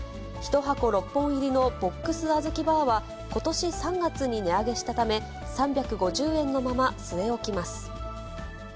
１箱６本入りのＢＯＸあずきバーは、ことし３月に値上げしたため、３５０円のまま据え置きます。